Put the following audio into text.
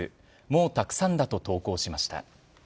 もうたくさんだと投稿しました。